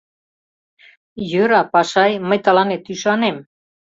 Йӧра, Пашай, мый тыланет ӱшанем.